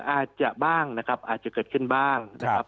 อาจจะบ้างนะครับอาจจะเกิดขึ้นบ้างนะครับ